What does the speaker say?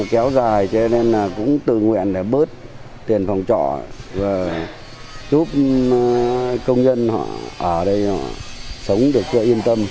kéo dài cho nên là cũng tự nguyện để bớt tiền phòng trọ và giúp công dân họ ở đây sống được yên tâm